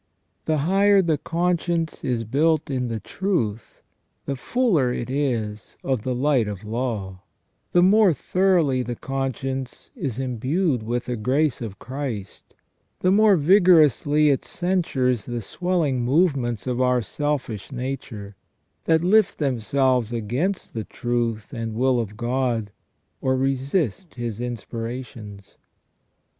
The higher the conscience is built in the truth, the fuller it is of the light of law ; the more thoroughly the conscience is imbued with the grace of Christ, the more vigorously it censures the swelling movements of our selfish nature, that lift themselves against the truth and will of God, or resist His inspirations.